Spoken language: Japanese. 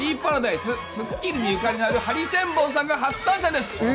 『スッキリ』にゆかりのあるハリセンボンさんが初参戦です。